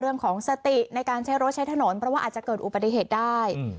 เรื่องของสติในการใช้รถใช้ถนนเพราะว่าอาจจะเกิดอุบัติเหตุได้